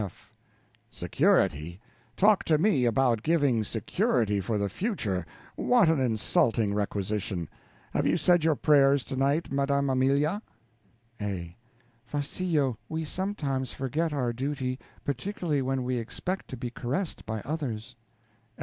F. Security! talk to me about giving security for the future what an insulting requisition! Have you said your prayers tonight, Madam Amelia? A. Farcillo, we sometimes forget our duty, particularly when we expect to be caressed by others.